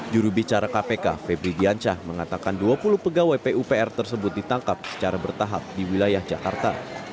jurubicara kpk febri diancah mengatakan dua puluh pegawai pupr tersebut ditangkap secara bertahap di wilayah jakarta